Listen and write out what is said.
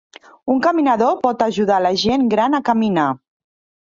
Un caminador pot ajudar la gent gran a caminar.